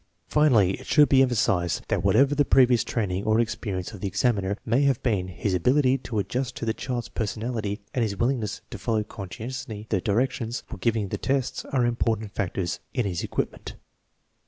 Finally, it should be emphasized that whatever the previous training or experience of the examiner may have been, his ability to adjust to the child's personality and his willingness to follow conscientiously the directions for giv ing the tests are important factors in his equipment.